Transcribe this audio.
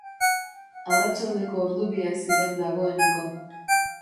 Arratsaldeko ordu biak ziren dagoeneko.